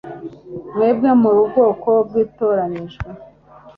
mwebwe muri ubwoko bwatoranyijwe